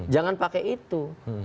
jangan pakai itu